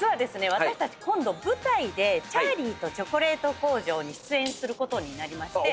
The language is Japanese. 私たち今度舞台で『チャーリーとチョコレート工場』に出演することになりまして。